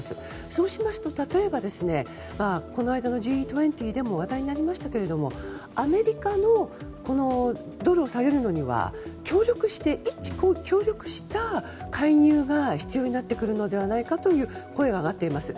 そうしますと例えば、この間のＧ２０でも話題になりましたがアメリカのドルを下げるのには一致協力した介入が必要になってくるのではないかという声が上がっています。